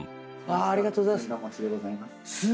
ありがとうございます。